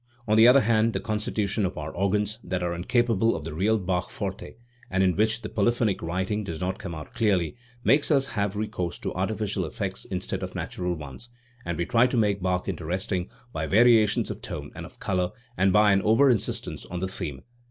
On the other hand the constitution of our organs, that are incapable of the real Bach forte, and in which the polyphonic writing does not come out clearly, makes us have recourse to artificial effects instead of natural ones, and we try to make Bach interesting by variations of tone and of colour and by an over insistence on the theme.